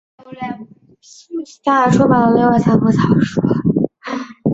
她还出版了另外三部小说。